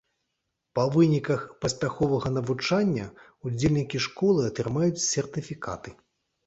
Па выніках паспяховага навучання, удзельнікі школы атрымаюць сертыфікаты.